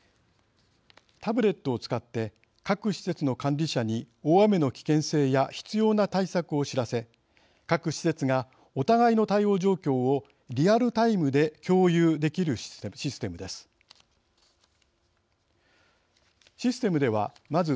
タブレットを使って各施設の管理者に大雨の危険性や必要な対策を知らせ各施設がお互いの対応状況をリアルタイムで共有できるシステムです。